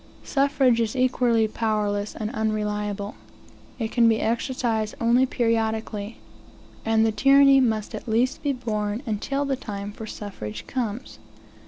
Suffrage is equally powerless and unreliable. It can be exercised only periodically; and the tyranny must at least be borne until the time for suffrage comes.